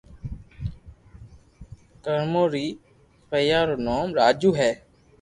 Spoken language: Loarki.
ڪرمون ري پيتا رو نوم راجو ھي